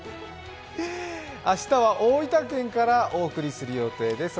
明日は大分県からお送りする予定です。